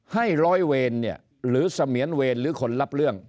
ให้ร้อยเวรเนี่ยหรือเสมียนเวรหรือคนรับเรื่อง